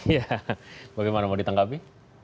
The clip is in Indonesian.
ya bagaimana mau ditangkapi